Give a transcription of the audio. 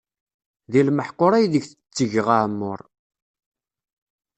Di lmeḥqur ay deg tetteg aɛemmuṛ.